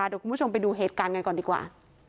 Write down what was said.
เดี๋ยวคุณผู้ชมไปดูเหตุการณ์กันก่อนดีกว่า